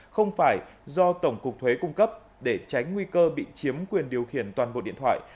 không phải do tổng cục thuế cung cấp để tránh nguy cơ bị chiếm quyền điều khiển toàn bộ điện thoại